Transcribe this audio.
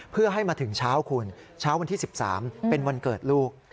เพื่อให้มาถึงเช้าคุณเช้าวันที่๑๓เป็นวันเกิดลูก